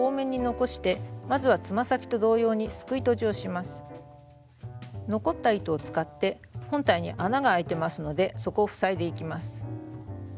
残った糸を使って本体に穴が開いてますのでそこを塞いでいきます。